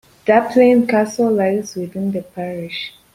Dupplin Castle lies within the parish.